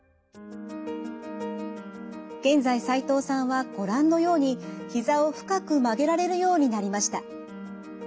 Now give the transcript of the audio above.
現在齋藤さんはご覧のようにひざを深く曲げられるようになりました。